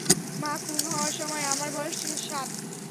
মা খুন হওয়ার সময়ে আমার বয়স ছিল সাত।